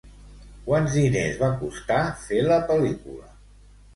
Quants diners va costar fer la pel·lícula?